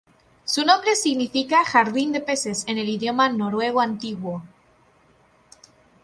Su nombre significa "Jardín de Peces" en el idioma noruego antiguo.